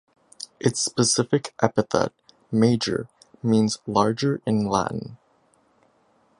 Its specific epithet "major" means "larger" in Latin.